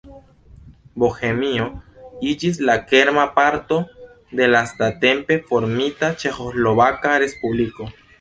Bohemio iĝis la kerna parto de la lastatempe formita Ĉeĥoslovaka Respubliko.